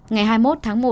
ngày hai mươi một tháng một